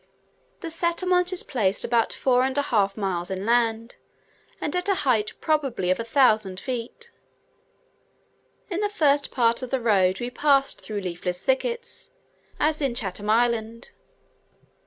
The settlement is placed about four and a half miles inland, and at a height probably of a thousand feet. In the first part of the road we passed through leafless thickets, as in Chatham Island.